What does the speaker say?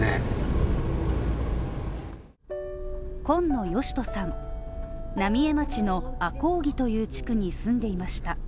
今野義人さん、浪江町の赤宇木という地区に住んでいました。